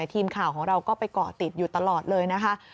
ทีมข่าวของเราก็ไปเกาะติดอยู่ตลอดเลยนะคะ